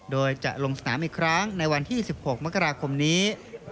โดยจะลงสนามอีกครั้งในวันที่๑๖มกราคมนี้